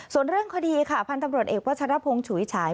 ส่วนเรื่องคดีค่ะพันธุ์ตำรวจเอกวัชรพงศ์ฉุยฉาย